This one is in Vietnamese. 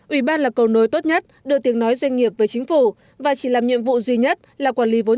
ủy ban là cầu nối tốt nhất đưa tiếng nói doanh nghiệp với chính phủ và chỉ làm nhiệm vụ duy nhất là quản lý vốn